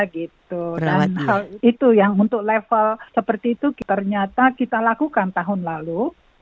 dan untuk level seperti itu ternyata kita lakukan tahun lalu